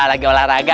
wah lagi olahraga